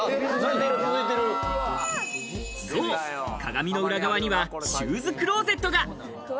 そう、鏡の裏側にはシューズクローゼットが！